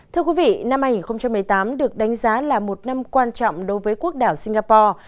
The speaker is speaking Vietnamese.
thưa quý vị năm hai nghìn một mươi tám được đánh giá là một năm quan trọng đối với quốc đảo singapore